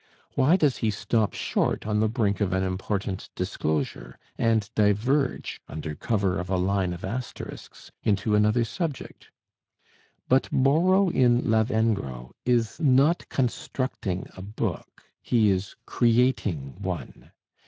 Why does he stop short on the brink of an important disclosure, and diverge under cover of a line of asterisks into another subject? But Borrow in 'Lavengro' is not constructing a book, he is creating one.